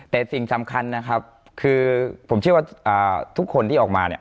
แต่สิ่งสำคัญนะครับคือผมเชื่อว่าทุกคนที่ออกมาเนี่ย